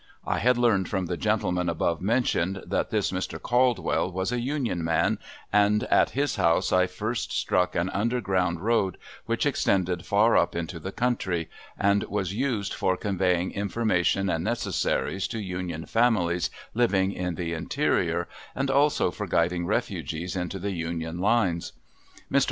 I had learned from the gentleman above mentioned that this Mr. Caldwell was a Union man, and at his house I first struck an underground road which extended far up into the country, and was used for conveying information and necessaries to Union families living in the interior, and also for guiding refugees into the Union lines. Mr.